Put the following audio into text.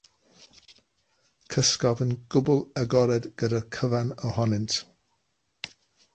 Cysgodd yn gwbl agored gyda'r cyfan ohonynt.